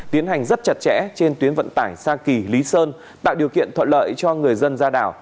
tiến hành rất chặt chẽ trên tuyến vận tải sa kỳ lý sơn tạo điều kiện thuận lợi cho người dân ra đảo